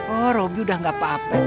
oh robi udah gak apa apa kok